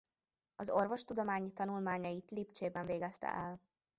Az orvostudományi tanulmányait Lipcsében végezte el.